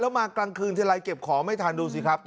แล้วมากลางคืนเทรายเก็บของไม่ทันดูสิครับ